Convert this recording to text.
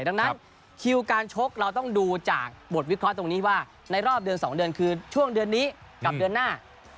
ดังนั้นคิวการชกเราต้องดูจากบทวิเคราะห์ตรงนี้ว่าในรอบเดือน๒เดือนคือช่วงเดือนนี้กับเดือนหน้า